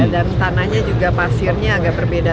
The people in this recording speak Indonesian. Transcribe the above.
dan tanahnya juga pasirnya agak berbeda